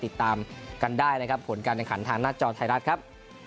ติดตามกันได้นะครับผลการแข่งขันทางหน้าจอไทยรัฐครับ